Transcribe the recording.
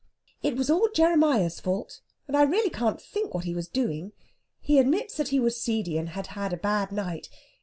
"It was all Jeremiah's fault, and I really can't think what he was doing. He admits that he was seedy, and had had a bad night.